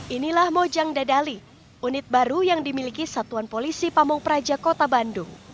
inilah mojang dadali unit baru yang dimiliki satuan polisi pamung praja kota bandung